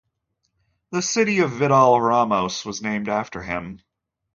The city of Vidal Ramos was named after him.